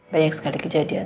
banyak sekali kejadian